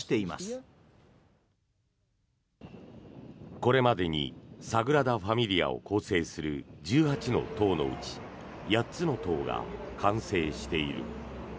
これまでにサグラダ・ファミリアを構成する１８の塔のうち８つの塔が完成している。